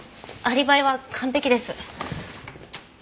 アリバイは完璧です。